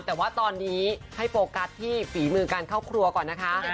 แต่ว่าตอนนี้ให้โฟกัสที่ฝีมือการเข้าครัวก่อนนะคะ